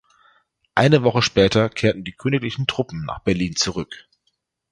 Eine Woche später kehrten die königlichen Truppen nach Berlin zurück.